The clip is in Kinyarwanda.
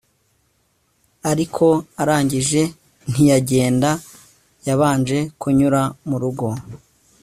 ariko arangije, ntiyagenda, yabanjye kunyura murugo